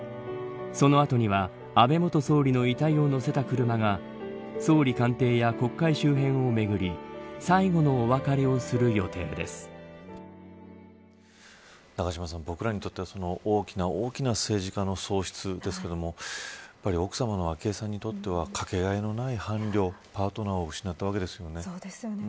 その後には、安倍元総理の遺体を乗せた車が総理官邸や国会周辺を巡り永島さん、僕らにとっては大きな大きな政治家の損失ですけれどもやっぱり奥さまの昭恵さんにとってはかけがえのない伴侶パートナーを失ったわけですよね。